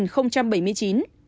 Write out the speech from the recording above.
hồ chí minh ba mươi tám bảy mươi chín